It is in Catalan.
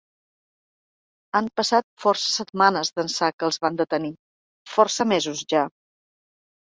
Han passat força setmanes d’ençà que els van detenir, força mesos ja.